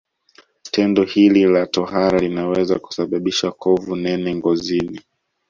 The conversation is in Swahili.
Tendo hili la tohara linaweza kusababisha kovu nene ngozini